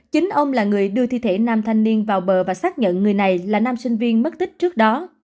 chính ông là người đưa thi thể nam thanh niên vào bờ và xác nhận người này là nam sinh viên mất tích trước đó